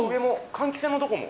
換気扇のとこも。